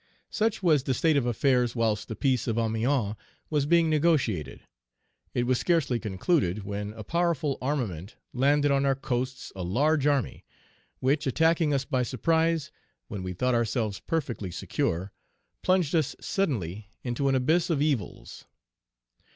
"Such was the state of affairs whilst the peace of Amiens was being negotiated; it was scarcely concluded, when a powerful armament landed on our coasts a large army, which, attacking us by surprise, when we thought ourselves perfectly secure, plunged us suddenly into an abyss of evils.